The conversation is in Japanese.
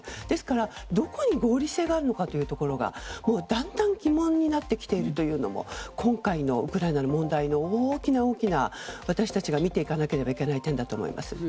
ですからどこに合理性があるのかというところがだんだん疑問になってきているというところも今回のウクライナの問題の大きな私たちが見ていかないといけない点だと思います。